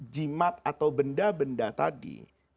jimat atau benda benda itu yang diberikan itu adalah dosa yang besar